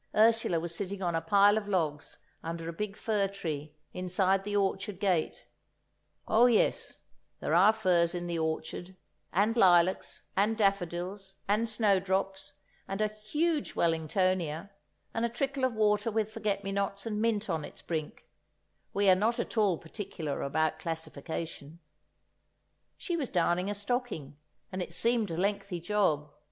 Ursula was sitting on a pile of logs under a big fir tree inside the orchard gate—oh yes, there are firs in the orchard, and lilacs, and daffodils, and snowdrops, and a huge Wellingtonia, and a trickle of water with forget me nots and mint on its brink; we're not at all particular about classification. She was darning a stocking, and it seemed a lengthy job.